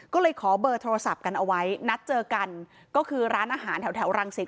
ก็เลยขอเบอร์โทรศัพท์กันเอาไว้นัดเจอกันก็คือร้านอาหารแถวแถวรังสิต